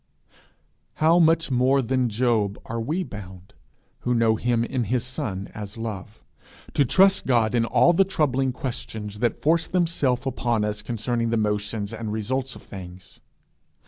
How much more than Job are we bound, who know him in his Son as Love, to trust God in all the troubling questions that force themselves upon us concerning the motions and results of things!